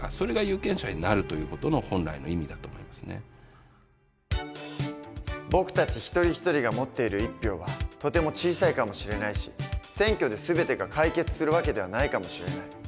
社会の中で僕たち一人一人が持っている１票はとても小さいかもしれないし選挙で全てが解決する訳ではないかもしれない。